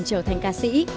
trở thành ca sĩ